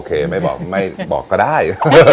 ไม่บอกไม่บอกก็ได้